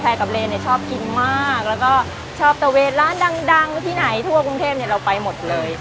กับเลนเนี่ยชอบกินมากแล้วก็ชอบตะเวนร้านดังที่ไหนทั่วกรุงเทพเนี่ยเราไปหมดเลย